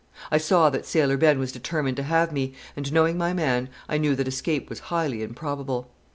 I saw that Sailor Ben was determined to have me, and, knowing my man, I knew that escape was highly improbable.